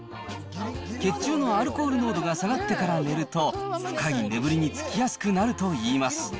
血中のアルコール濃度が下がってから寝ると、深い眠りにつきやすくなるといいます。